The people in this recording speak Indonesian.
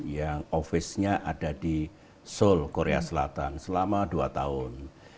yang ofisnya ada di seoul korea selatan selama dua tahun